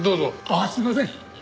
ああすいません。